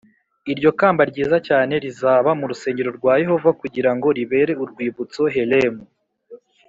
Iryo kamba ryiza cyane rizaba mu rusengero rwa yehova kugira ngo ribere urwibutso helemu